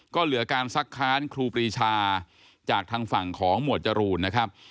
ก็เหลือการซักค้านครูปรีชาจากทางฝั่งของหมวดจรูนนะครับ